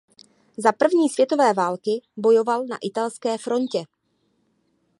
Za první světové války bojoval na italské frontě.